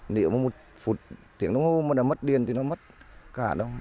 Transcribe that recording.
nếu mà một phút tiếng thông hô mà đã mất điện thì nó mất cả đâu